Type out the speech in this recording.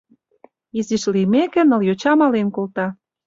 Изиш лиймеке, ныл йолташ мален колта.